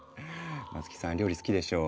松木さん料理好きでしょう。